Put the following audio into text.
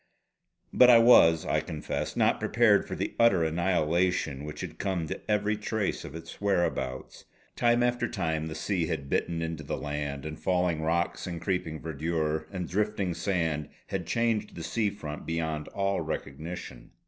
But I was, I confess, not prepared for the utter annihilation which had come to every trace of its whereabouts. Time after time the sea had bitten into the land; and falling rocks, and creeping verdure, and drifting sand had changed the sea front beyond all recognition.